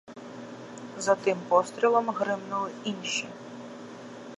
За тим пострілом гримнули інші.